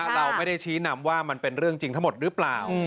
เราไม่ได้ชี้นำว่ามันเป็นเรื่องจริงทั้งหมดหรือเปล่า